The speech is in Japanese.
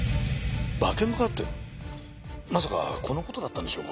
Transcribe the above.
化けの皮ってまさかこの事だったんでしょうか？